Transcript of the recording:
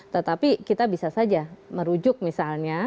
tetapi kita bisa saja merujuk misalnya